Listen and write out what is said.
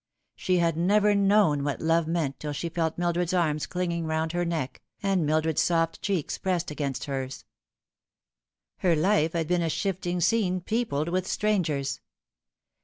She had never known what love meant till she felt Mil dred's warm arms clinging round her neck, and Mildred's soft cheeks pressed against hers. Her life had been a shifting scene peopled with strangers.